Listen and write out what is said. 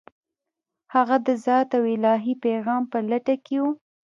هغه د ذات او الهي پیغام په لټه کې و.